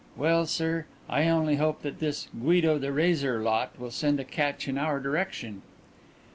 Well, sir, I only hope that this 'Guido the Razor' lot will send a catch in our direction."